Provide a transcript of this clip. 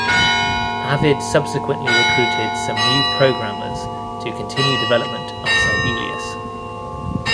Avid subsequently recruited some new programmers to continue development of Sibelius.